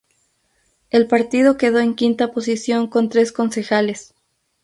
El partido quedó en quinta posición con tres concejales.